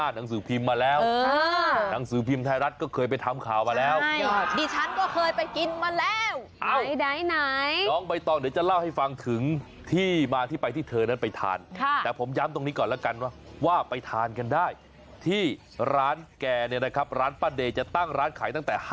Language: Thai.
หมายถึงให้เพิ่มว่าไปทานกันได้ที่ร้านแก่เนี่ยนะครับร้านป่าเด่จะตั้งร้านขายตั้งแต่